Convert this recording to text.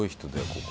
ここ。